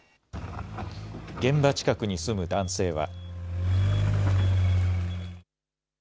現場近くに住む男性は。